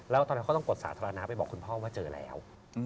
แล้วตอนนั้นเขาต้องปลดสาธารณะไปบอกคุณพ่อว่าเจอแล้ว